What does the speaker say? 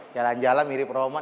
jalan jalan mirip roman